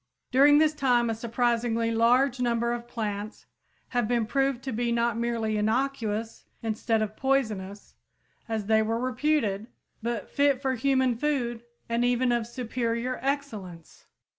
During this time a surprisingly large number of plants have been proved to be not merely innocuous instead of poisonous, as they were reputed, but fit for human food and even of superior excellence!